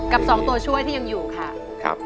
ถ้าพร้อมนะครับอินโทรเพลงที่๔มูลค่า๖หมื่นบาทมาได้เลยครับ